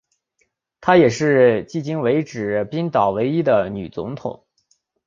她也是迄今为止冰岛唯一的女总统。